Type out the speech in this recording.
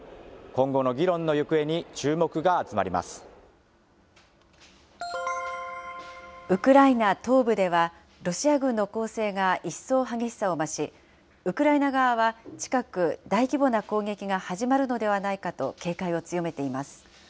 今後の議論の行方に注目が集まりウクライナ東部では、ロシア軍の攻勢が一層激しさを増し、ウクライナ側は近く大規模な攻撃が始まるのではないかと警戒を強めています。